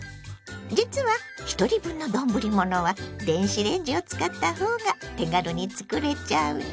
実はひとり分の丼ものは電子レンジを使ったほうが手軽に作れちゃうの。